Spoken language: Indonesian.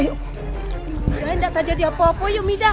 udah enggak terjadi apa apa yuk mida